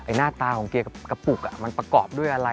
หน้าตาของเกียร์กับกระปุกมันประกอบด้วยอะไร